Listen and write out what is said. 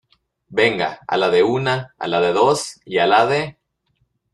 venga, a la de una , a la de dos y a la de...